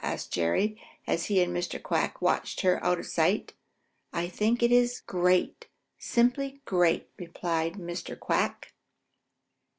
asked Jerry, as he and Mr. Quack watched her out of sight. "I think it is great, just simply great," replied Mr. Quack.